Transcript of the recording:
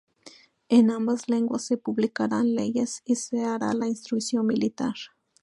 En ambas lenguas, se publicarán leyes y se hará la instrucción militar.